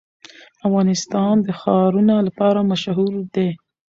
افغانستان د ښارونه لپاره مشهور دی.